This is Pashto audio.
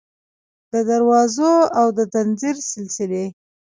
د دروازو او د ځنځیر سلسلې